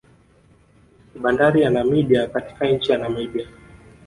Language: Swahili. Ni bandari ya Namibia katika nchi ya Namibia